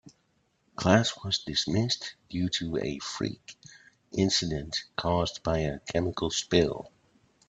Class was dismissed due to a freak incident caused by a chemical spill.